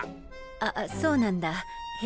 あそうなんだへえ。